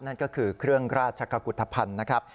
นั่นก็คือเครื่องราชกุฏภัณฑ์นะครับ